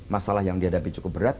masalah yang dihadapi cukup berat